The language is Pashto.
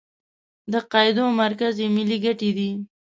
د قاعدو مرکز یې ملي ګټې دي.